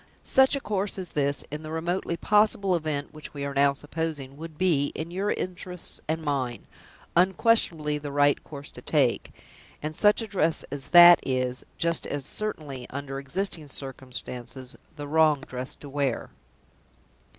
Such a course as this (in the remotely possible event which we are now supposing) would be, in your interests and mine, unquestionably the right course to take; and such a dress as that is, just as certainly, under existing circumstances, the wrong dress to wear."